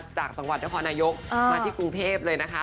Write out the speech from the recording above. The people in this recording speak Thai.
จังหวัดนครนายกมาที่กรุงเทพเลยนะคะ